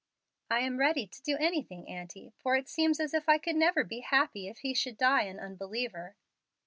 "I am ready to do anything, aunty, for it seems as if I could never be happy if he should die an unbeliever."